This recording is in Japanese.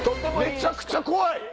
めちゃくちゃ怖い！